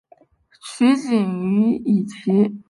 取景于以及。